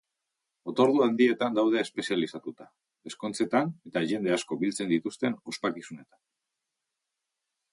Otordu handietan daude espezializatuta, ezkontzetan eta jende asko biltzen dituzten ospakizunetan.